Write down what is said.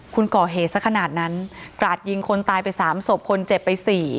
คุณก่อเหตุสักขนาดนั้นกราดยิงคนตายไปสามศพคนเจ็บไปสี่